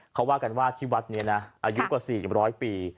เขาว่ากันว่าที่วัดนี้นะอายุกว่า๔๐๐ปี